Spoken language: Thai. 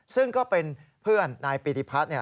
ซึ่งก็เป็นเพื่อนนายปีติพัฒน์